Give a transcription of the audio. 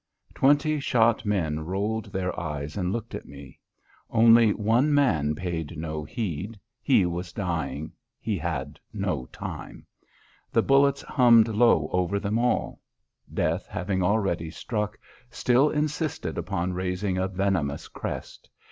Twenty shot men rolled their eyes and looked at me. Only one man paid no heed. He was dying; he had no time. The bullets hummed low over them all. Death, having already struck, still insisted upon raising a venomous crest.